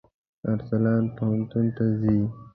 ارسلان پوهنتون ته ځي.